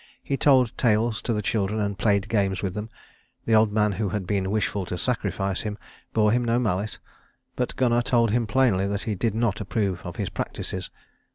He told tales to the children and played games with them. The old man who had been wishful to sacrifice him bore him no malice; but Gunnar told him plainly that he did not approve his practices.